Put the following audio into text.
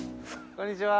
こんにちは。